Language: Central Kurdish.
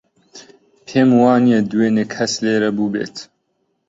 پێم وانییە دوێنێ کەس لێرە بووبێت.